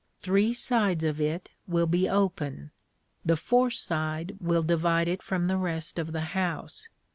Three sides of it will be open. The fourth side will divide it from the rest of the house.